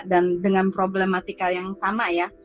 dan dengan problematika yang sama ya